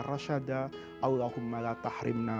rasadah allahumma la tahrimna